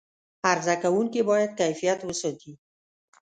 عرضه کوونکي باید کیفیت وساتي.